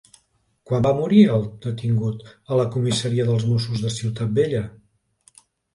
Quan va morir el detingut a la comissaria dels Mossos de Ciutat Vella?